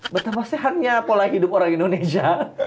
betapa sehatnya pola hidup orang indonesia